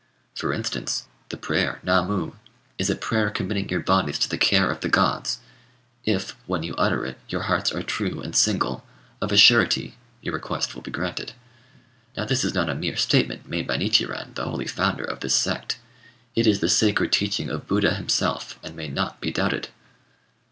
For instance, the prayer Na Mu is a prayer committing your bodies to the care of the gods; if, when you utter it, your hearts are true and single, of a surety your request will be granted. Now, this is not a mere statement made by Nichiren, the holy founder of this sect; it is the sacred teaching of Buddha himself, and may not be doubted."